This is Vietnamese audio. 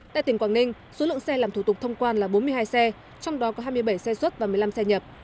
tại tỉnh quảng ninh số lượng xe làm thủ tục thông quan là bốn mươi hai xe trong đó có hai mươi bảy xe xuất và một mươi năm xe nhập